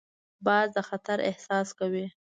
باز د خطر احساس کوي